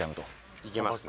いけますね。